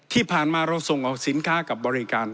ที่ผ่านมาเราส่งออกสินค้ากับบริการ